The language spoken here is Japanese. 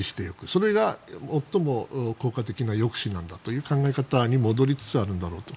それが最も効果的な抑止なんだという考え方に戻りつつあるんだろうと。